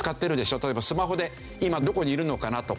例えばスマホで今どこにいるのかなとか。